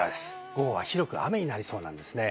午後は広く雨になりそうです。